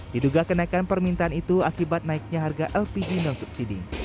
diduga kenaikan permintaan itu akibat naiknya harga lpg non subsidi